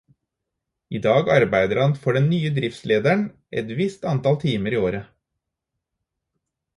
I dag arbeider han for den nye driftslederen et visst antall timer i året.